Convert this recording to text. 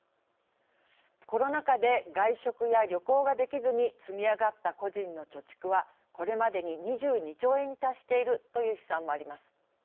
コロナ禍で外食や旅行ができずに積み上がった個人の貯蓄はこれまでに２２兆円に達しているという試算もあります。